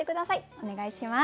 お願いします。